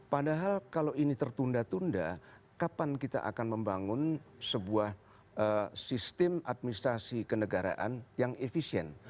padahal kalau ini tertunda tunda kapan kita akan membangun sebuah sistem administrasi kenegaraan yang efisien